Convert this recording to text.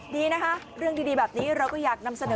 ดีนะคะเรื่องดีแบบนี้เราก็อยากนำเสนอ